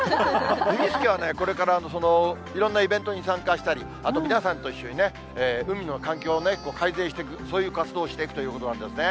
うみスケはね、これから、いろんなイベントに参加したり、皆さんと一緒に海の環境を改善していく、そういう活動をしていくということなんですね。